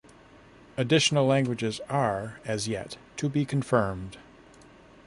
Additional languages are, as yet, to be confirmed.